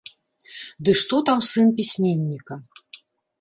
Ды што там сын пісьменніка.